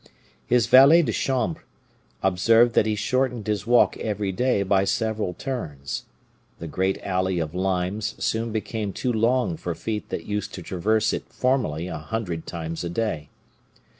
His valet de chambre observed that he shortened his walk every day by several turns. The great alley of limes soon became too long for feet that used to traverse it formerly a hundred times a day.